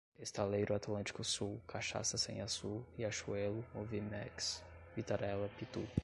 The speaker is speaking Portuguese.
Estaleiro Atlântico Sul, Cachaça Sanhaçu, Riachuelo, Moviemax, Vitarella, Pitú